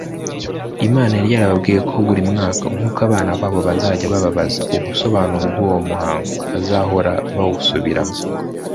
imana yari yarababwiye ko, buri mwaka, nk’uko abana babo bazajya bababaza ubusobanuro bw’uwo muhango, bazahora bawusubiramo